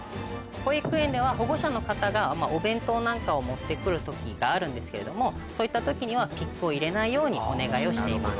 保育園では保護者の方がお弁当なんかを持って来る時があるんですけれどもそういった時にはピックを入れないようにお願いをしています。